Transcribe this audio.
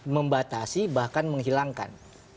membatasi bahkan menghilangkan